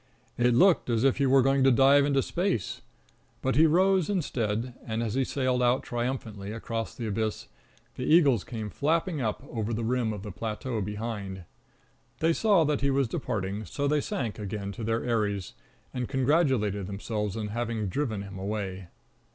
It looked as if he were going to dive into space. But he rose instead, and as he sailed out triumphantly across the abyss, the eagles came flapping up over the rim of the plateau behind. They saw that he was departing, so they sank again to their eyries, and congratulated themselves on having driven him away.